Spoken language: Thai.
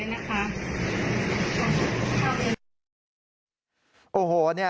โน่ครูลูกไหล่ด้วยนะคะ